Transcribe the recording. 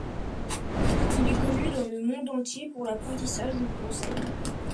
Il est connu dans le monde entier pour l'apprentissage du français.